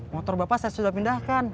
motor bapak saya sudah pindahkan